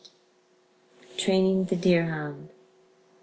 TRAINING THE DEER HOUND.